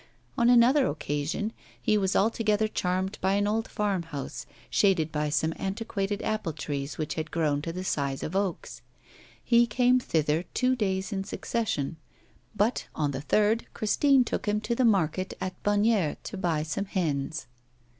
On another occasion, he was altogether charmed by an old farmhouse, shaded by some antiquated apple trees which had grown to the size of oaks. He came thither two days in succession, but on the third Christine took him to the market at Bonnières to buy some hens.